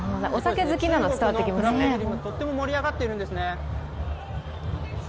中国でもとっても盛り上がってるんですね。